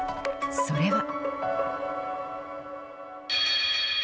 それは。